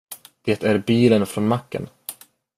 Det är bilen från macken.